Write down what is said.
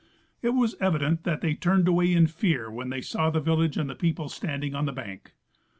It was evident that they turned away in fear when they saw the village and the people standing on the bank.